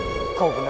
kita harus berubah